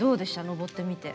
登ってみて。